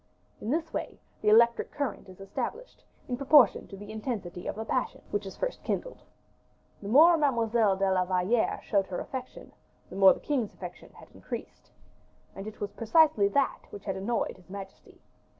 In this way, the electric current is established, in proportion to the intensity of the passion which is first kindled. The more Mademoiselle de la Valliere showed her affection, the more the king's affection had increased. And it was precisely that which had annoyed his majesty.